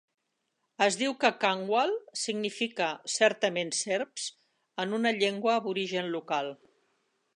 Es diu que "Kanwal" significa "certament serps" en una llengua aborigen local.